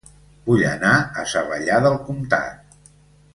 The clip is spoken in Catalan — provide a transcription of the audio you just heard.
Vull anar a Savallà del Comtat